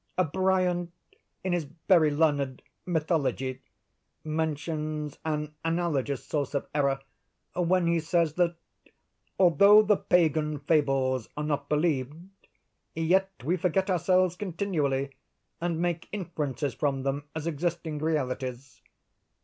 Bryant, in his very learned 'Mythology,' mentions an analogous source of error, when he says that 'although the Pagan fables are not believed, yet we forget ourselves continually, and make inferences from them as existing realities.